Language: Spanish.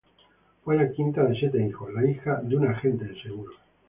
Fue la quinta de siete hijos, la hija de un agente de seguros.